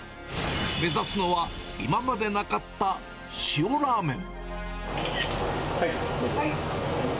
目指すのは、今までなかった塩ラーメン。